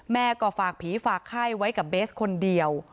แม่ก็ฝากผีฝากไข้ไว้กับเบสคนเดียว